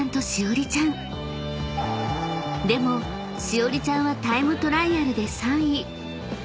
［でもしおりちゃんはタイムトライアルで３位］